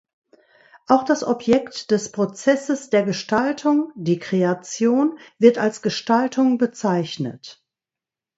Auch das Objekt des Prozesses der Gestaltung, die Kreation, wird als Gestaltung bezeichnet.